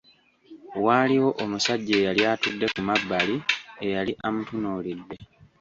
Waaliwo omusajja eyali atudde ku mabbali eyali amutunuulidde.